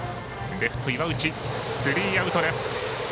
レフト岩内、スリーアウト。